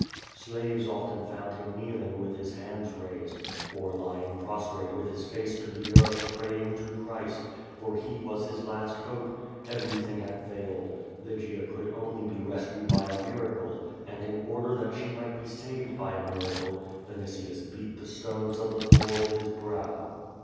Slaves often found him kneeling with his hands raised, or lying prostrate with his face to the earth, praying to Christ, for He was his last ho]>e. Everything had failed. Lygia could only be rescued by a miracle, and in order that she might be saved by a mira cle, Vinitius beat the stones of the floor with his brow.